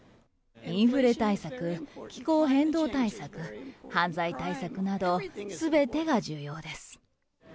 インフレ対策、気候変動対策、犯罪対策など、すべてが重要です。